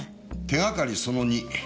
手がかりその２。